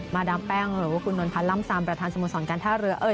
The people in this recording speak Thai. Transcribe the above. มาดามแป้งหรือว่าคุณหนุนพันร่ำสามประธานสมสรรค์การท่าเรือ